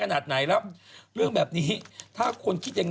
ดัจจันริด